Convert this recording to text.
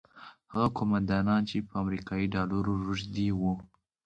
هغه قوماندانان چې پر امریکایي ډالرو روږدي وو.